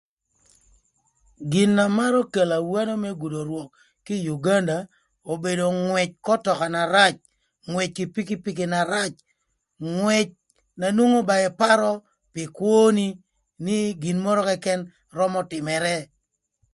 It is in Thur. Gin na marö kelo awano më gudo rwök kï Uganda obedo ngwëc k'ötöka na rac, ngwëc kï pikipiki na rac, ngwëc na nwongo ba ïparö pï kwöni nï gin mörö këkën römö tïmërë.